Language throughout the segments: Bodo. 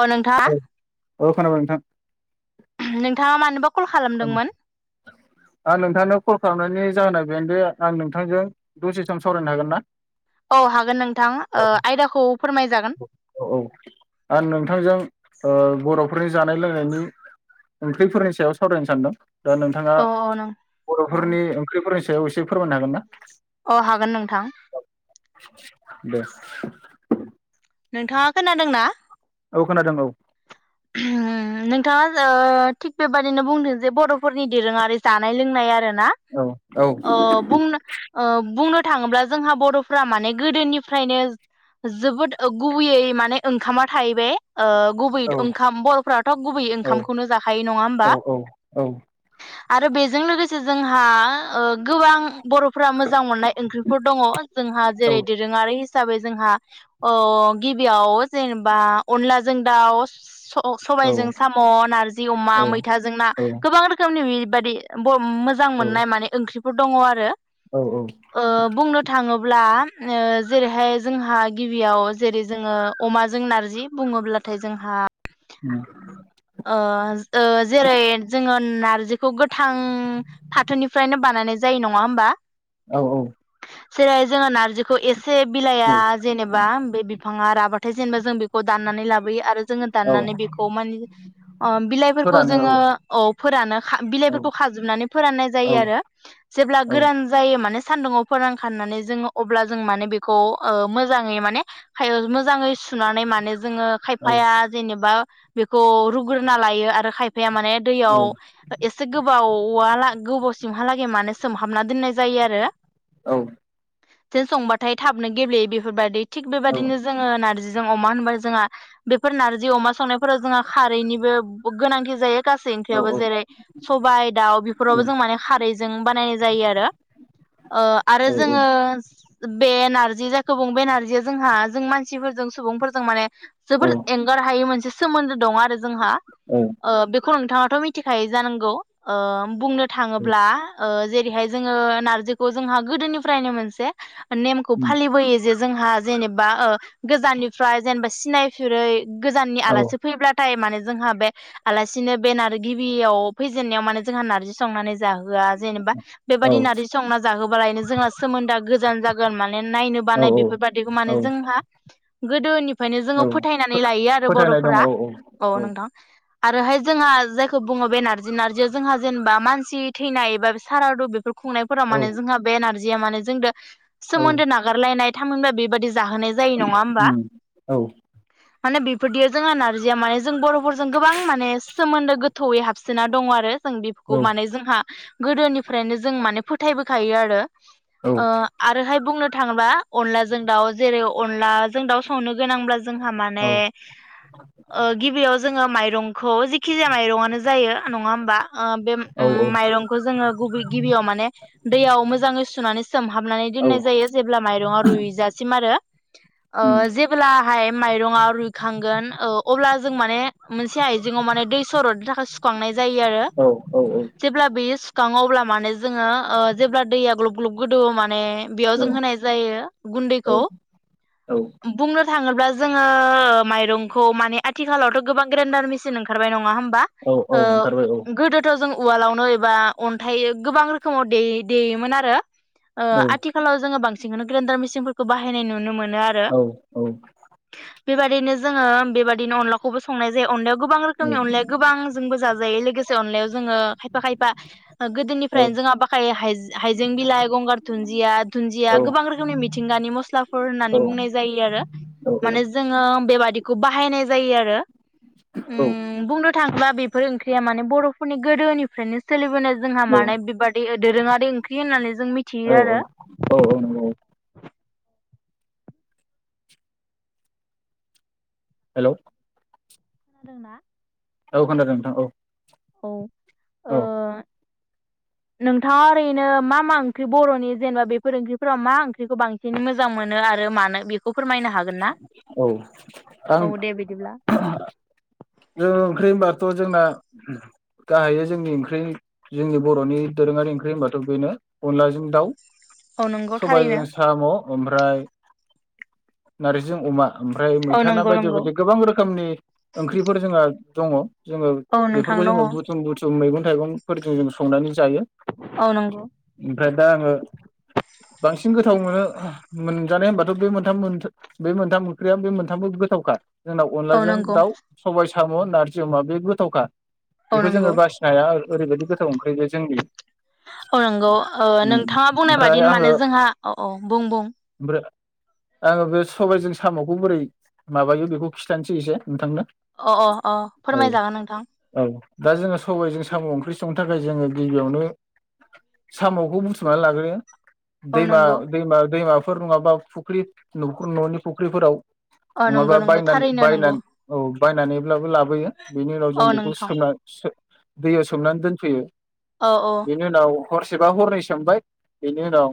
अ नोंथाङा औ औ खोनाबाय नोंथां नोंथाङा मानोबा कल खालामदोंमोन आं नोंथांनो कल खालामनायनि जाहोन बेन दो आं नोंथांजों दसे सम सावरायनो हागोन ना? औ हागोन नोंथां औ आयदाखौ फोरमायजागोन औ औ आं नोंथांजों ओ बर'फोरनि जानाय लोंनायनि ओंख्रिफोरनि सायाव सावरायनो सानदों। दा नोंथाङा अ अ नों अ बर'फोरनि ओंख्रिफोरनि सायाव एसे फोरमायनो हागोन ना? अ हागोन नोंथां। दे नोंथाङा खोनादोंना? औ खोनादों औ नोंथाङा ओ थिग बेबायदिनो बुंदों जे बर'फोरनि दोरोङारि जानाय लोंनाय आरो ना औ अ बुंनो अ बुंनो थाङोब्ला जोंहा बर'फ्रा माने गोदोनिफ्रायनो जोबोद ओ गुबैयै माने ओंखामा थाहैबाय। ओ गुबै औ ओंद खाम बर'फ्राथ गुबै औ ओंखामखौनो जाखायो नङा होमबा? औ औ औ आरो बेजों लोगोसे जोंहा ओ गोबां बर'फोरा मोजां मोननाय ओंख्रिफोर दङ जोंहा औ जेरै- दोरोङारि साबै जोंहा अ गिबियाव जेनेबा अनलाजों दाउ स अ सबायजों साम, नारजि अमा, मैथाजों ना गोबां रोखोमनि बादि ब मोजां औ मोननाय माने ओंख्रि फोर दङ आरो। औ औ ओ बुंनो थाङोब्ला ओ जेरैहाय जोंहा गिबियाव जेरै जोङो अमाजों नारजि बुङोब्लाथाय जोंहा ओ ओ ओ जेरै जोङो नारजिखौ गोथां फाथोनिफ्रायनो बानाय जायो नङा होमबा? औ औ जेरै हाय जोङो नारजिखौ एसे से बिलाइया औ जेनेबा बे बिफाङा राबा थाय जेनबा जों बेखौ खौ दाननानै लाबोयो आरो जोङो औ दाननानै बेखौ माने अ बिलाइफोरखौ फोरानो औ जोङो औ फोरानो खा औ बिलाइफोरखौ खाजोबनानै फोराननाय औ जायो आरो जेब्ला औ गोरान जायो माने सानदुुंआव फोरानखानानै जों अब्ला जों माने बेखौ ओ मोजाङै माने खायो मो जाङै सुनानै माने जोङो खायफाया जेनेबा बेखौ रु गोरना लायो आरो खायफाया माने दैयाव एसे गोबावा ला गोबाव सिमहालागै माने सोमहाबना दोननाय जायो आरो औ जे संबाथाय थाबनो गेब्लेयो बेफोरबायदि। थिग औ बेबायदिनो जोङो नार्जि जों अमा होनबा जोंहा बेफोर नारजि अमा संनायफोराव जोंहा खारैनि बो गोनांथि जायो। गासै औ ओंख्रियावबो औ जेरै सबाय दाउ औ बेफोरावबो जों माने खारैजों बानायनाय जायो आरो ओ आरो जोङो बे नार्जि जायखौ बुङो बे नारजिया जोंहा जों मानसिफोरजों सुबुंफोरजों माने औ जोबोद एंगार हायै मोनसे सो मोन्दो दं आरो जोंहा। औ ओ बेखौ नोंथाङाथ मि थि खायो जानांगौ ओ बुंनो थाङोब्ला ओ जे जेरै हाय जोङो नार्जिखौ जोंहा गोदोनिफ्रायनो मोनसे नेमखौ उम फालिबोयो जे जोंहा जेनेबा ओ गोजाननिफ्राय जेनेबा सिनायफेरै गोजाननि औ आलासि फैब्लाथाय माने जोंहा बे आलासिनो बे नार गिबियाव फैजेननायाव माने जोंहा नार्जि संनानै जाहो होआ जेनेबा औ बेबादि नारजि संना जाहोबालायनो जोंना सोमोन्दोआ गोजान जागोन माने नायनो औ बानाय बेफोरबायदिखौ औ माने जोंहा गोदोनि फायनो जोङो औ फोथायनानै लायो आरो फोथायनाय दं बरफोरा। औ नंगौ औ नोंथां आरोहाय जोंहा जायखौ बुङो बे नार्जि नार्जियाव जोंहा जेनेबा मानसि थैनाय एबा सारादु बेफोरखौ खुंनायफोराव औ माने जोंहा बे नार्जि जिया माने जों दो औ सोमोनदो नागारलायनाय थामिनबा बेबादि जाहोनाय जायो नङा होमबा? उम औ माने बेफोरदियाव जोंहा नार्जिया माने जों बर'फोर जों गोबां माने सोमोन्दो गो थौयै हाबसोना दं आरो ओं बेफोरखौ औ माने जोंहा गोदोनिफ्रायनो जों माने फोथायबोखायो आरो ओ आरोहाय बुंनो थाङोबा अनलाजों दाउ जेरै अनलाजों दाउ संनो गोनांब्ला जोंहा औ माने ओ जों गिबियाव जोङो माइरंखौ जेखिजाया माइरंआनो जायो नङा होमबा ओ बे औ उम माइरंखौ जोङो गुबै गिबियाव माने दैयाव मोजाङै सुनानै सोमहाबनानै दोन्नाय जायो जेब्ला माइरंआव रुयजासिम आरो ओ जेब्लाहाय माइरङा रुयखांगोन ओ अब्ला जों माने मोनसे आइजेङाव माने दै सरदनो थाखाय सुखांनाय जायो आरो जेब्ला बेयो सुखाङो अब्ला माने जोङो ओ जेब्ला दैया ग्लब ग्लब गोदौओ माने ने बेयाव जों होनाय जायो औ गुन्दैखौ औ बुंनो थाङोब्ला जोङो माइरंखौ माने आथिखालावथ गोबां ग्रेन्डार मेसिन ओंखारबाय नङा होमब बा औ ओ ओंखारबाय औ गोदोथ जों उवालावनो एबा अन्थाय गोबां रोखोमाव देयो-देयोमोन आरो ओ औ आथिखालाव जोङो बांसि सिनखौनो ग्रेन्डार मेसिनफोरखौ बाहायनाय नुनो मोनो आरो औ औ। बेबायदिनो जोङो बेबायदि बिदिनो अनलाखौबो संनाय जायो अनलायाव गोबां औ रोखोमनि अनलाया गोबां जोंबो जाजायो लोगोसे अनलायाव जोङो खायफा खायफा ओ गोदोनिफ्रायनो औ जोंहा बाखायो हाय-हायजें बिलाय, गंगार थुन [unintelligible] दुन्दिया गोबां रोखोमनि मिथिंगानि मस्लाफोर होन्नानै बुंनाय जायो आरो औ औ माने जोङो बेबादिखौ बाहायनाय जायो आरो औ उम बुंनो थाङोब्ला बेफोर ओंख्रिया माने बर'फोरनि गोदोनिफ्रायनो सोलिबोनाय जायो जोंहा माने बेबादि दोरोङारि ओ ओंख्रि होन्नानै जों मिथियो आरो। नंगौ हेलौ। खोनादोंना? औ खोनादोंथ औ औ ओ औ नोंथाङा ओरैनो मा मा ओंख्रि बरनि जेनेबा बेफोर ओंख्रिफोरा मा ओंख्रिखौ बांसिनै मोजां मोनो आरो मानो बेखौ फोरमायनो हागोन ना औ आं औ दे बिदिब्ला जों ओंख्रि होनबाथ जोंना गाहायै जोंनि ओंख्रि जोंनि बरनि दोरोङारि ओंख्रि होनबा थ बेनो अनलाजों दाउ औ नंगौ थारैनो सबायजों साम ओमफ्राय नारजिजों अमा ओमफ्राय औ मैथाना नंगौ बायदि नंगौ बायदि गोबां रोखोमनि ओंख्रिफोर जोंहा दङ जोङो औ नोंथां बेफोरखौ दङ जोङो बुथुम बुथुम मैगं थाइगं फोरजों जों संनानै जायो औ नंगौ ओमफ्राय दा आङो बांसिन गोथाव मोनो मोनजानाय होनबाथ बे मोनथाम बे मोनथाम ओंख्रिया बे मोनथामबो गोथावखा जोंनाव औ अनलाजों नंगौ दाउ बाय साम नारजि अमा बे गोथावखा औ बेखौ जोङो नंगौ बासिनो हाया ओरैबायदि गोथाव ओंख्रै बे जोंनि औ नोंगौ उम नोंथाङा बुंनाय बादि ओमफ्राय माने आङो जोंहा अ अ बुं बुं ओमफ्राय आङो बे सबायजों सामखौ बोरै माबायो बेखौ खिथानोसै एसे नोंथांनो अ अ अ फोरमायजागोन नोंथां दा जोङो सबाइजों साम ओंख्रि संनो थाखाय जोङो गिबियावनो सामखौ बुथुमनानै लाग्रोयो औ दैमा नंगौ दैमा दैमा फोर नङाबा फुख्रि नखर ननि फुख्रिफोराव औ नंगौ नङाबा नंगौ बायनानै थारैनो नंगौ बायनानै औ बायनानैब्लाबो लाबोयो बेनि उनाव जों औ बेखौ नोंथां सोमना सो दैयाव सोमनानै दोनफैयो औ औ बेनि उनाव हरसेबा हरनै सोमबाय बेनि उनाव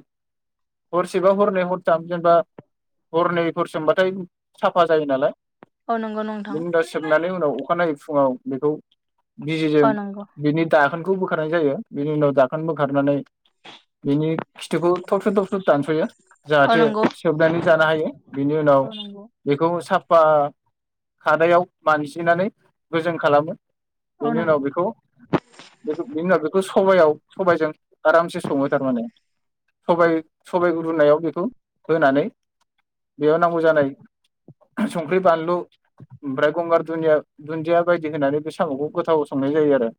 हरसेबा हरनै हरथाम जेनेबा हरनैफोर सोमबाथाय साफा जायो नालाय अ नंग नं बिनि उनाव सोमनानै उनाव अखानायै फुङाव बेखौ बिजिजों औ नंगौ बिनि दाखोन खौ बोखारनाय जायो बिनि उनाव दाखोन बोखारनानै बिनि खिथुखौ थबस्र थबस्र दानसयो औ जाहाथे नंगौ सोबनानै जानो हायो बिनि उनाव औ नंगौ बेखौ साफ फा खादायाव मानजिनानै गोजों खालामो औ बेनि उनाव नंगौ बेखौ बेनि बेनि उनाव बेखौ सबायाव सबायजों आरामसे सङो थारमाने सबाय सबायखौ रुनायाव बेखौ होनानै बेयाव नांगौ जानाय संख्रि बानलु ओमफ्राय गंगार दुनिया दुन्दिया बायदि होनानै बे सामखौ गोथाव संनाय जायो आरो।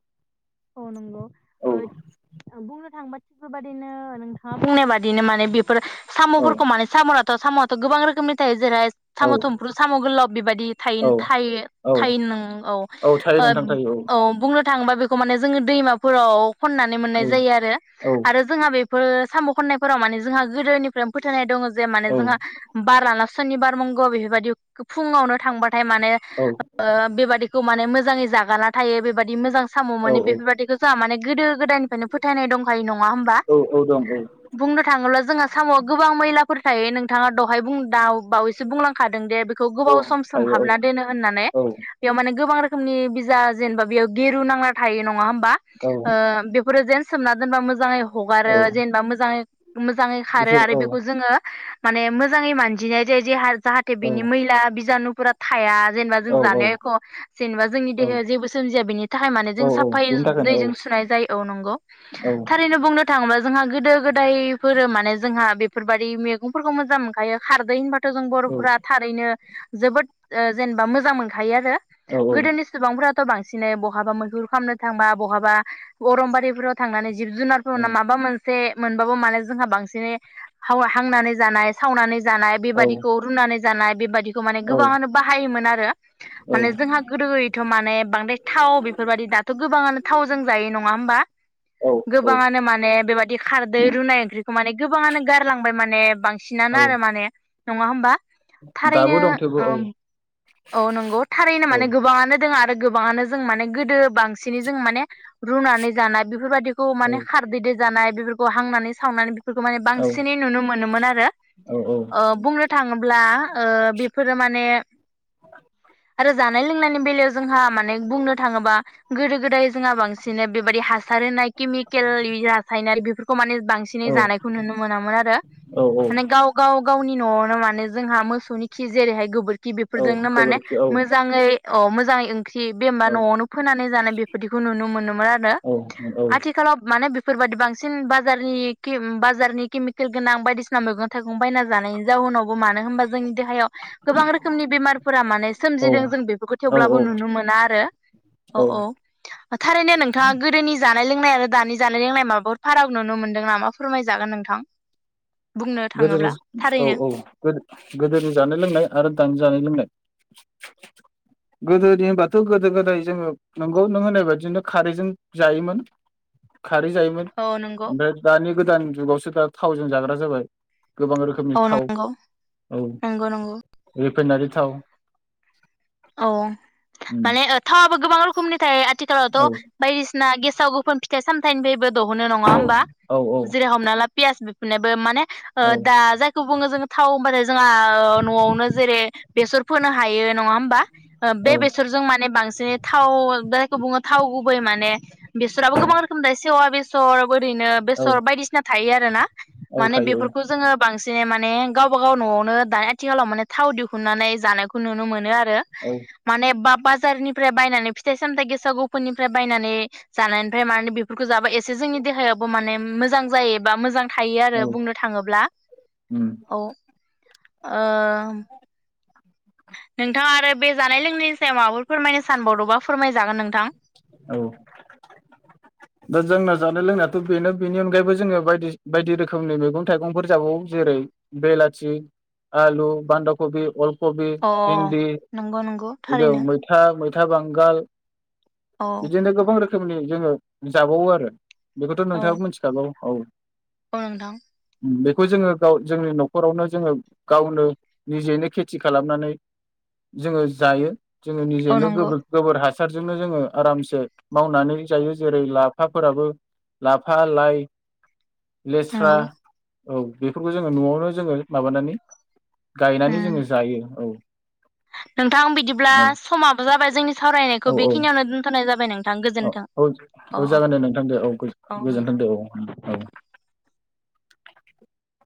औ नंगौ ओ बुंनो थांबा बेफोरबायदिनो नोंथाङा बुंनाय बादिनो माने बेफोर औ सामफोरखौ माने सामनाथ साम गोबां रोखोमनि थायो जेरै औ साम थुमफ्रु साम गोलाव बेबायदि थायो औ थायो औ थायो नों औ थायो ओ नोंथां थायो औ बुंनो थांबा बे खौ माने जोङो दैमाफोराव खननानै मोननाय औ जायो आरो औ आरो जोंहा बे साम खननायफोराव माने जोंहा गोदोनिफ्रायनो फोथायनाय दङ जे माने औ जोंहा बार लाना सुनिबार [unintelligible] बेफोरबायदि फुङावनो थांबा थाय माने औ ओ बेबादिखौ माने मोज जाङै जागाना थायो बेबायदि मोजां साम औ मोनो औ बेफोरबायदिखौ जोंहा माने गोदो गोदायनिफ्रायनो फोथायनाय दंखायो नङा होमबा? औ औ दं औ बुंनो थाङोब्ला जोंहा सामआव गोबां मैलाफोर थायो नोंथाङा दहाय बुं दाउ बावैसो बुंलांखादों दे बेखौ औ गोबाव सम सम थायो औ हाबना दोनो होननानै औ बेयाव माने गोबां रो खोमनि बिजा जेनेबा बेयाव गिर [unintelligible] नांना थायो नङा होम बा औ ओ बेफोरो जेन सोमना दोनबा मोजाङै हगारो औ जेनेबा मोजाङै मोजाङै खारो बिसोर आरो औ बेखौ जोङो माने मोजाङै मानजिनाय जाय जे [unintelligible] जाहाथे औ बिनि मैला बिजानु फुरा थाया जेनेबा औ जों औ जानाय एख' जेनेबा जोंनि औ देहाया जेबो सोमजिया बेनि थाखाय माने औ जों औ साफाय बेनि थाखायनो औ दैजों सुनाय जायो औ नंगौ औ थारैनो बुंनो थाङोबा जोंहा गोदो गोदायफोर माने जोंहा बेफोरबायाददि मैगंफोरखौ मोजां मोनखायो खारदै होनबा जों बरफोरा थारैनो जोबोद जेनेबा मोजां मोनखायो आरो औ औ गोदोनि सुबुंफोरा थ' बांसिनै ब बहाबा मैहुर खालामनो थांबा बहाबा अरमबारिफोराव थांनानै जिब जुनारफोर माबा मोनसे मोनबाबो माने जोंहा बांसिनै हांनानै जानाय सावनानै जानाय बेबायाददिखौ रुनानै जानाय बेबायदि बिखौ माने गोबाङानो बाहायोमोन आरो माने जोंहा गोदो यैथ' माने बांद्राय थाव बेफोरबायदि दाथ' गोबाङानो थावजों जायो नङा होमबा औ औ गोबाङानो माने बेबायदि खारदै रुनाय ओंख्रिखौ माने गोबाङानो गारलांबाय माने बांसिनानो औ आरो माने नङा होमबा? थारैनो दाबो दं थेवबो औ औ नंगौ थारैनो औ माने गोबाङानो दङ आरो गोबाङानो जों माने गोदो बांसिनै जों माने रुनानै जानाय बेफोरबायदिखौ औ माने खारदैदो जानाय बेफोरखौ हांनानै सावनानै खौ माने औ बांसिनै नुनो मोनोमोन आरो औ बुंनो थाङोब्ला बेफोरो माने आरो जानाय लोंनायनि बेलायाव जोंहा माने बुंनो गोदो गोदाय जोंहा बांसिननै बेबायदि हासार होनाय केमिकेल हासायनारि बेफोरखौ माने बांसिनै औ जानायखौ नुनो मोनामोन आरो औ माने गाव गाव गावनि न'आवनो माने जोंहा मोसौनि खि जेरैहाय गोबोरखि औ बेफोरजोंनो माने गोबोरखि औ मोजाङै अ मोजाङै ओंख्रि बे औ न'आवनो फोनानै जानाय बेफोरदिखौ नुनो मोनोमोन आरो औ आथिखालाव माने बेफोरबायादि बांसिन बाजारनि केम बाजारनि केमिकेल गोनां बायदिसिना मैगं थाइगं बायना जानायनि जाउनाव मानो होनबा जोंनि देहायाव गोबां रोखोमनि बेमारफोरा माने औ सोमजिदों जों बेफोरखौ औ थेवब्लाबो औ नुनो मोना आरो औ औ थारैनो नोंथाङा गोदोनि जा जानाय लोंनाय आरो दानि जानाय लोंनाय माबाफोर फाराग नुनो मोनदों नामा फोरमायजागोन नोंथां। बुंनो गोदोनि थाङोब्ला औ थारैनो औ गोदो-गोदोनि जानाय लोंनाय आरो दानि जानाय लोंनाय? गोदोनिबाथ' गोदो गोदाय जोङो नोंगौ नों होनाय बादिनो खारैजों जायोमोन। खारै जायोमोन औ नंगौ ओमफ्राय दानि गोदान जुगावसो दा थावजों जाग्रा जाबाय गोबां रोखोमनि औ थाव नंगौ औ नंगौ नंगौ रिफाइनारि थाव औ उम माने ओ थावाबो गोबां रोखोमनि थायो आथि खालावथ औ बायदिसिन ना गेसाव गोफोन फिथाइ सामथायाइनिफ्रायबो दहनो नङा होमबा औ जेरै हमना ला पियास बे मोनोबो माने ओ दा जायखौ बुङो जोङो थाव होनबाथाय जोंहा ओ नआवनो जेरै बेसर फोनो हायो नङा होमबा ओ बे औ बेसरजों माने बांसिनै थाव जा गुबुङो थाव गुबै माने बेसराबो गोबां रोखोम दायो सेवा बेसर ओरैनो औ बेसर बायदिसिना थायो आरो [unintelligible] औ माने थायो औ बेफोरखौ जोङो बांसिनै माने माने गावबा गाव न'आवनो दा आथिखालाव माने थाव दिहुननानै जानायखौ नुनो मोनो आरो औ माने बाब बाजारनिफ्राय बायनानै फिथाइ सामथायाइ गेसाव गौफोननिफ्राय बायनानै जानायनिफ्राय मानो बेफोरखौ जाबा एस एसे जोंनि देहायाबो माने मोजां जायोबा मोजां थायो आरो औ बुंनो थाङोब्ला उम औ ओ ओम नोंथाङा आरो बे जानाय लोंनायनि सायाव माबाफोर फोरमायनो सानबावदोंबा फोरमाय जागोन नोंथां औ दा जोंना जानाय लोंनायाथ' बेनो बेनि अनगायैबो जोङो बायदि सि बायदि रोखोमनि मैगं थाइगंफोर जाबावो जेरै बेलाथि, आलु, बान्दा कबि, अल कबि, अ फिन्दी, नंगौ नंगौ थारैनो मैथा मै था बांगाल औ बिदिनो गोबां रोखोम खोमनि जोङो जाबावो आरो बेखौथ नोंथाङाबो मोनथिखागौ औ अ नोंथां बेखौ जोङो गाव जोंनि नखरावनो जोङो गावनो निजेनो खेथि खालामनानै जोङो जायो। जोङो औ निजेनो नंगौ गोबोर गोबोर हास जोंनो जोङो आरामसे मावनानै जायो जेरै लाफा फोराबो लाफा लाइ लेस्रा नंगौ औ बेफोरखौ जोङो नआवनो जोङो माबानानै गायनानै उम जोङो जायो, औ नोंथां बिदिब्ला औ समाबो जाबाय जोंनि सावरायनाय बेखिनियावनो दोनथनाय जाबाय नों अ औ औ जागोन दे नोंथां दे, औ औ नोंथां गोजोनथों दे, औ औ